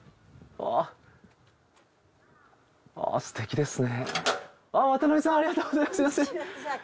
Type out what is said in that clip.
わぁすてきですね。